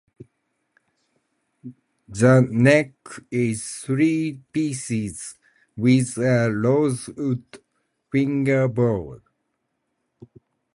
The neck is three pieces, with a rosewood fingerboard.